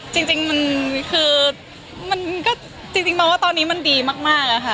จริงมันคือมันก็จริงมองว่าตอนนี้มันดีมากอะค่ะ